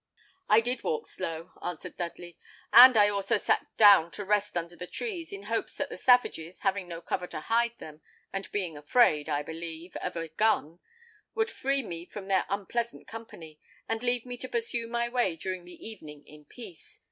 "I did walk slow," answered Dudley, "and I also sat down to rest under the trees, in hopes that the savages, having no cover to hide them, and being afraid, I believe, of a gun, would free me from their unpleasant company, and leave me to pursue my way during the evening in peace.